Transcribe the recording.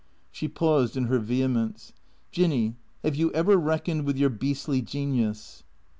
She paused in her vehemence. " Jinny — have you ever reckoned with your beastly genius